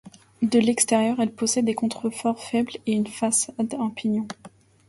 De l'extérieur, elle possède des contreforts faibles et une façade en pignon.